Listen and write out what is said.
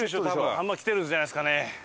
半分来てるんじゃないですかね。